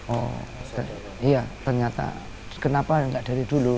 oh iya ternyata kenapa nggak dari dulu